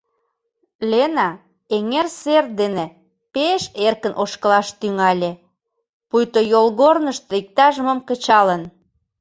Лена эҥер сер дене пеш эркын ошкылаш тӱҥале, пуйто йолгорнышто иктаж-мом кычалын.